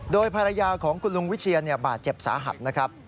โดยภรรยาของคุณลุงวิเชียนบาดเจ็บสาหัสนะครับ